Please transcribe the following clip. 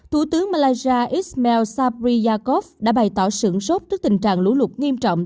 thủ tướng malaysia ismail sabri yaakob đã bày tỏ sửng sốt trước tình trạng lũ lụt nghiêm trọng